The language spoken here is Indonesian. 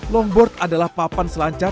longboard adalah papan selancar